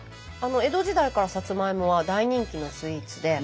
江戸時代からサツマイモは大人気のスイーツで。